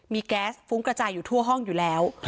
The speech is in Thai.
มีแก๊สฟุ้งกระจายอยู่ทั่วห้องอยู่แล้ว